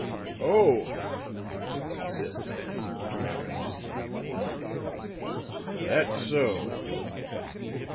"Oh," said the man, with interest in his wavering eye. "That so."